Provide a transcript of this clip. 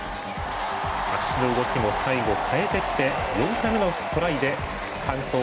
足の動きも最後変えてきて４回目のトライで完登。